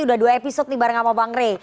udah dua episode nih bareng sama bang rey